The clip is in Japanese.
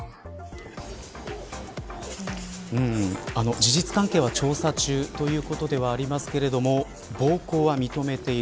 事実関係は調査中ということではありますけれども暴行は認めている。